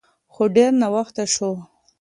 خو ډیر ناوخته شوی و.